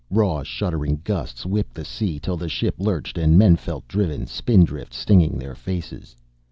Raw shuddering gusts whipped the sea till the ship lurched and men felt driven spindrift stinging their faces.